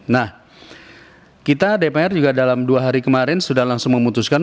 nah kita dpr juga dalam dua hari kemarin sudah langsung memutuskan